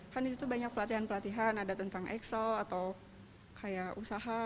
kan di situ banyak pelatihan pelatihan ada tentang excel atau kayak usaha